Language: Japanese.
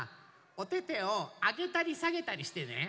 おててをあげたりさげたりしてね。